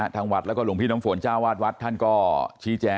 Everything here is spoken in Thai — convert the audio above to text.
ทางวัดแล้วหลวงพี่ทางฝนเจ้าวาสวัสดิ์